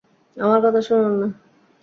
আমার কথা শুনুন না?